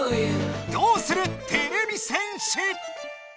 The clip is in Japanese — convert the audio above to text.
どうするてれび戦士！